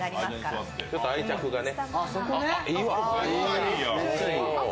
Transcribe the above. ちょっと愛着がね。